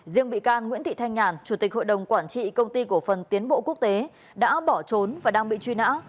riêng bị can nguyễn thị thanh nhàn chủ tịch hội đồng quản trị công ty cổ phần tiến bộ quốc tế đã bỏ trốn và đang bị truy nã